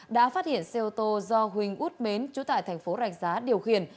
đã phát hiện xe ô tô do huỳnh út mến chú tại thành phố rạch giá điều khiển